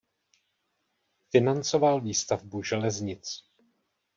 Financoval výstavbu železnic.